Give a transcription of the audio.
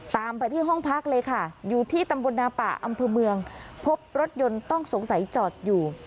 ตามไปที่ห้องพักเลยค่ะอยู่ที่ตำบลนาป่าอำเภอเมืองพบรถยนต์ต้องสงสัยจอดอยู่